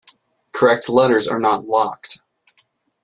Correct letters are not "locked".